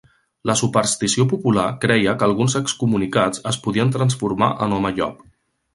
La superstició popular creia que alguns excomunicats es podien transformar en home llop.